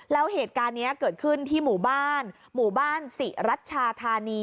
แล้วเหตุการณ์นี้เกิดขึ้นที่หมู่บ้านหมู่บ้านศรีรัชชาธานี